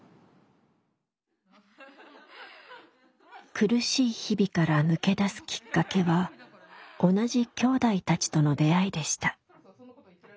苦しい日々から抜け出すきっかけは同じきょうだいたちとの出会いでした。